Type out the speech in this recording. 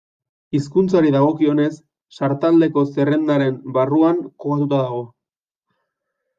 Hizkuntzari dagokionez Sartaldeko Zerrendaren barruan kokatuta dago.